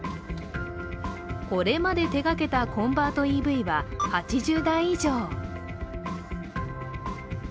これまで手がけたコンバートＥＶは８０台以上。